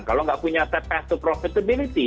kalau enggak punya path to profitability